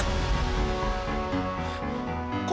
satu dua tiga